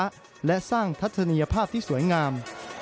ระบบไฟฟ้าและสร้างทัศนียภาพที่สวยงาม